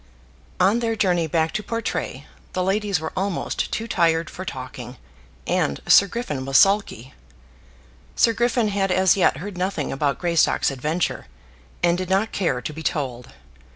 On their journey back to Portray, the ladies were almost too tired for talking; and Sir Griffin was sulky. Sir Griffin had as yet heard nothing about Greystock's adventure, and did not care to be told.